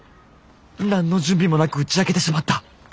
何の準備もなく打ち明けてしまった。